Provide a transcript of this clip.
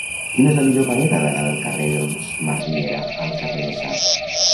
Quina és la millor manera d'anar del carrer dels Masriera al carrer de Sas?